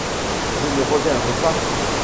Je ne reviendrai pas !